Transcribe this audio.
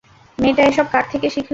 মেয়েটা এসব কার থেকে শিখল?